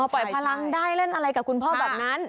ปล่อยพลังได้เล่นอะไรกับคุณพ่อแบบนั้น